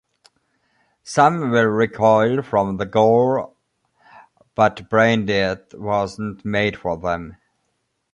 Some will recoil from the gore, but "Braindead" wasn't made for them.